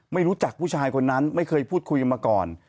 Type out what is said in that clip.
ไม่รู้จักผู้ชายคนนั้นไม่เคยพูดคุยกันมาก่อน